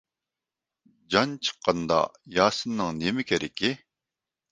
جان چىققاندا ياسىننىڭ نېمە كېرىكى.